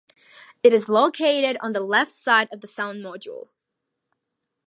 It is located on the left side of the sound module.